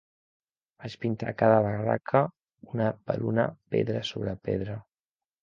Vaig pintar cada barraca una per una, pedra sobre pedra.